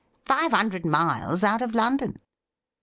' Five hundred miles out of London